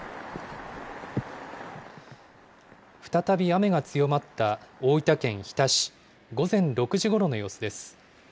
再び雨が強まった大分県日田市、午前６時ごろの様子です。